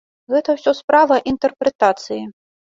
Гэта ўсё справа інтэрпрэтацыі.